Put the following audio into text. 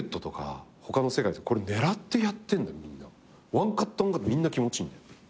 ワンカットワンカットみんな気持ちいいんだよ。